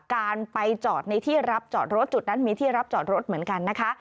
การไปจอดในที่รับจอดรถจุดนั้นมีที่รับจอดรถเหมือนกันนะคะ